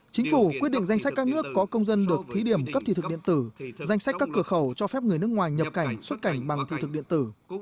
chính phủ quyết định danh sách các nước có công dân được thí điểm cấp thị thực điện tử danh sách các cửa khẩu cho phép người nước ngoài nhập cảnh xuất cảnh bằng thị thực điện tử